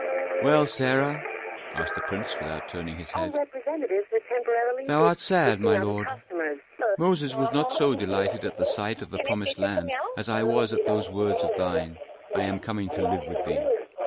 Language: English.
"Well, Sarah?" asked the prince, without turning his head. "Thou art sad, my lord. Moses was not so delighted at sight of the promised land as I was at those words of thine: 'I am coming to live with thee.'